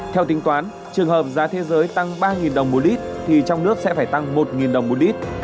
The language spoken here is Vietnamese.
theo tính toán trường hợp giá thế giới tăng ba đồng một lít thì trong nước sẽ phải tăng một đồng một lít